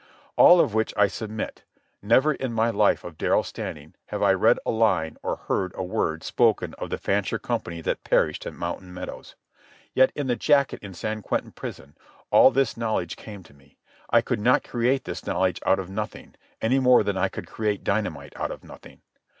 All of which I submit. Never, in my life of Darrell Standing, have I read a line or heard a word spoken of the Fancher Company that perished at Mountain Meadows. Yet, in the jacket in San Quentin prison, all this knowledge came to me. I could not create this knowledge out of nothing, any more than could I create dynamite out of nothing.